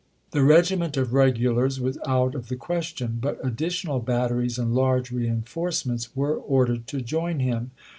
The regiment of regulars was out of the question; but additional batteries and large reen forcements were ordered to join him.